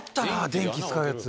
電気使うやつ。